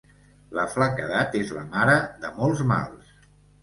La flaquedat és la mare de molts mals.